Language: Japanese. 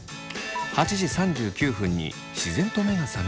８時３９分に自然と目が覚めました。